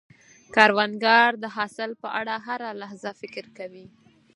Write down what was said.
کروندګر د حاصل په اړه هره لحظه فکر کوي